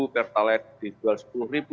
pertalet di rp dua puluh